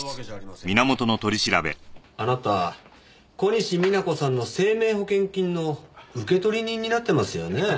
あなた小西皆子さんの生命保険金の受取人になってますよね？